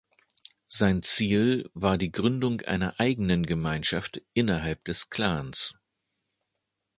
Sein Ziel war die Gründung einer eigenen Gemeinschaft innerhalb des Klans.